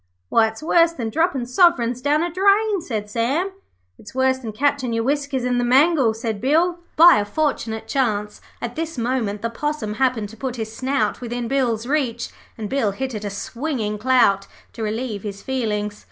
'Why, it's worse than droppin' soverins down a drain,' said Sam. 'It's worse than catchin' your whiskers in the mangle,' said Bill. By a fortunate chance, at this moment the Possum happened to put his snout within Bill's reach, and Bill hit it a swinging clout to relieve his feelings.